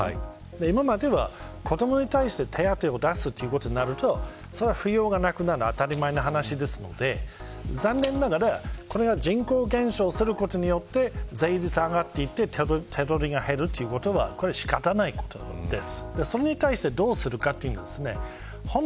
今までは、子どもに対して手当を出すということになると扶養がなくなるのは当たり前の話ですので残念ながら人口減少することによって税率が上がって手取りが減るということは仕方がないことだと思います。